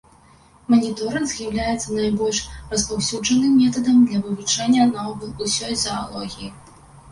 Маніторынг з'яўляецца найбольш распаўсюджаным метадам для вывучэння наогул усёй заалогіі.